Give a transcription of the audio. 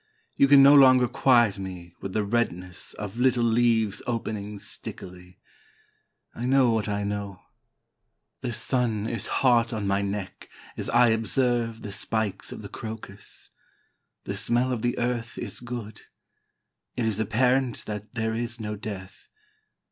You can no longer quiet me with the redness Of little leaves opening stickily. I know what I know. The sun is hot on my neck as I observe The spikes of the crocus. The smell of the earth is good. It is apparent that there is no death.